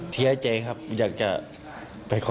ที่ให้อยู่ที่ไหน